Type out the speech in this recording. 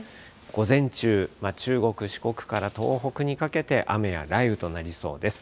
午前中、中国、四国から東北にかけて雨や雷雨となりそうです。